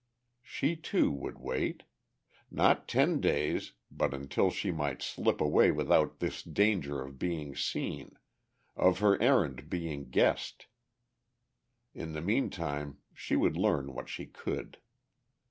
She, too, would wait. Not ten days but until she might slip away without this danger of being seen, of her errand being guessed. In the meantime she would learn what she could.